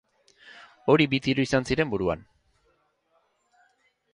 Hori bi tiro izan ziren buruan.